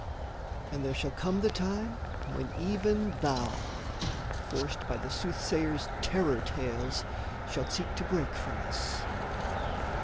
And there shall come the time when even thou, Forced by the soothsayer's terror tales, shalt seek To break from us.